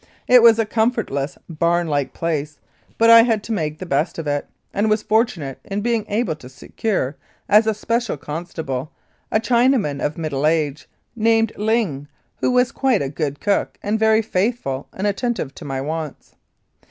It was a comfortless, barn like place, but I had to make the best of it, and was fortunate in being able to secure, as a special constable, a Chinaman of middle age, named Ling, who was quite a good cook and very faithful and attentive to my wants.